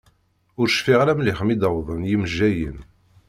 Ur cfiɣ ara mliḥ mi d-uwḍen yimejjayen.